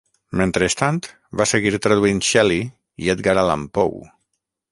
Mentrestant, va seguir traduint Shelley i Edgar Allan Poe.